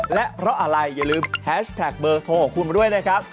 และเพราะอะไรอย่าลืมแฮชแท็กเบอร์โทรของคุณมาด้วยนะครับ